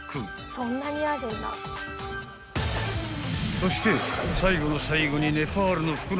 ［そして最後の最後に］